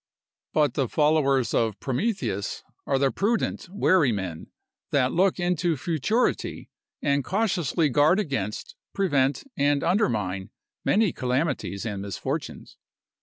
But the followers of Prometheus are the prudent, wary men, that look into futurity, and cautiously guard against, prevent, and undermine many calamities and misfortunes.